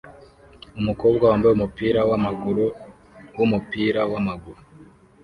Umukobwa wambaye umupira wamaguru wumupira wamaguru